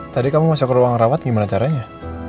tadi kamu masuk ke ruang rawat gimana caranya